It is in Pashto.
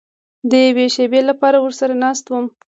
د یوې شېبې لپاره ورسره ناست وم.